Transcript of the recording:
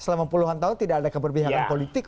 enam puluh an tahun tidak ada keberpihakan politik